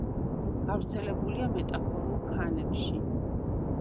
გავრცელებულია მეტამორფულ ქანებში.